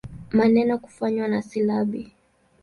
Maneno kufanywa na silabi.